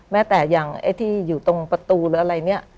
แต่อย่างไอ้ที่อยู่ตรงประตูหรืออะไรเนี่ย